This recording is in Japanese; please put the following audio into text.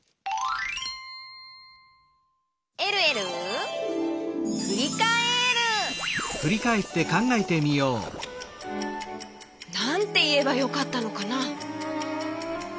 「えるえるふりかえる」なんていえばよかったのかな？